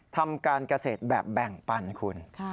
ทำการเกษตรแบบแบ่งปันคุณ